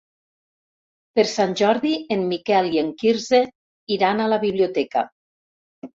Per Sant Jordi en Miquel i en Quirze iran a la biblioteca.